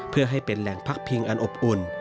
เพื่อให้เป็นแหล่งพักพิงอันอบอุ่น